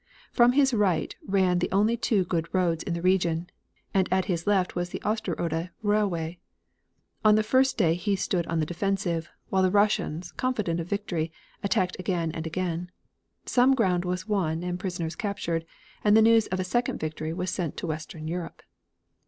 From his right ran the only two good roads in the region, and at his left was the Osterode railway. On the first day he stood on the defensive, while the Russians, confident of victory, attacked again and again. Some ground was won and prisoners captured, and the news of a second victory was sent to western Europe.